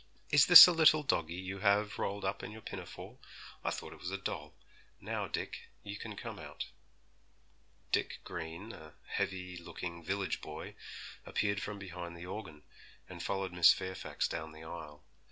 Is this a little doggie you have rolled up in your pinafore? I thought it was a doll. Now, Dick, you can come out.' Dick Green, a heavy looking village boy, appeared from behind the organ, and followed Miss Fairfax down the aisle.